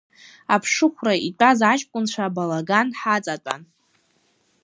Аԥшыхәра итәаз аҷкәынцәа абалаган ҳаҵатәан.